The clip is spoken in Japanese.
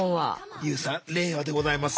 ＹＯＵさん令和でございます。